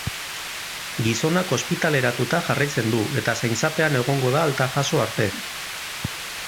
Gizonak ospitaleratuta jarraitzen du, eta zaintzapean egongo da alta jaso arte.